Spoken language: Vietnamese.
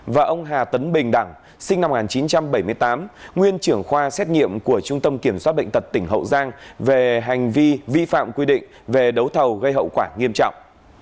và ông hà tấn bình đẳng sinh năm một nghìn chín trăm bảy mươi tám nguyên trưởng khoa xét nghiệm của trung tâm kiểm soát bệnh tật tỉnh hậu giang về hành vi vi phạm quy định về đấu thầu gây hậu quả nghiêm trọng